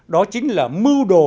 đó chính là mưu đồ